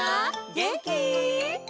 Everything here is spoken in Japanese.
げんき？